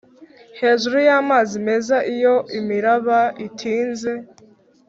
hejuru y'amazi meza iyo imiraba itinze